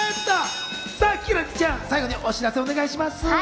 輝星ちゃん、最後にお知らせをお願いします。